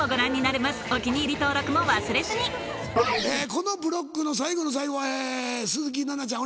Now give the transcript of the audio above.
このブロックの最後の最後え鈴木奈々ちゃん